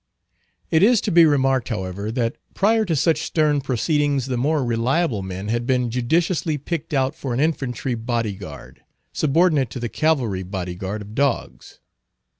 It is to be remarked, however, that prior to such stern proceedings, the more reliable men had been judiciously picked out for an infantry body guard, subordinate to the cavalry body guard of dogs.